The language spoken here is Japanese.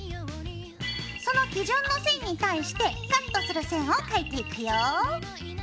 その基準の線に対してカットする線を描いていくよ。